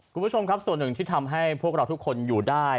คุณผู้ชมครับส่วนหนึ่งที่ทำให้พวกเราทุกคนอยู่ได้